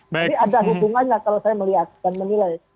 jadi ada hubungannya kalau saya melihat dan menilai